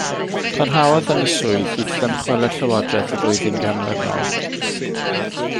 Parhaodd yn y swydd hyd ddymchwel y llywodraeth y flwyddyn ganlynol.